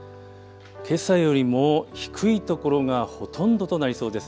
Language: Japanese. けさよりも低い所がほとんどとなりそうです。